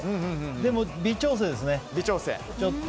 でも微調整ですね。